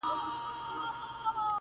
• پر تېر سوى دئ ناورين د زورورو,